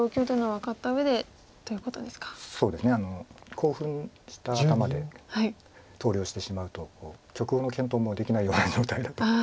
興奮した頭で投了してしまうと局後の検討もできないような状態だと。